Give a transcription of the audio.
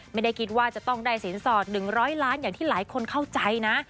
ไม่ได้คิดว่าจะต้องได้สินสอด๑๐๐ล้านอย่างที่หลายคนเข้าใจนะ